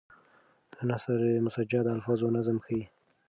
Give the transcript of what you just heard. نثر مسجع د الفاظو نظم ښيي.